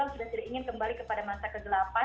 sudah tidak ingin kembali ke masa ke delapan